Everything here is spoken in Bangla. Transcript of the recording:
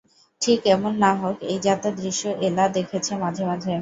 ঠিক এমন না হোক এই জাতের দৃশ্য এলা দেখেছে মাঝে মাঝে।